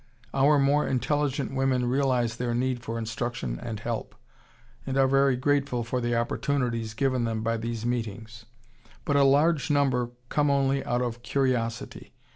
Our more intelligent women realize their need for instruction and help, and are very grateful for the opportunities given them by these meetings, but a large number come only out of curiosity.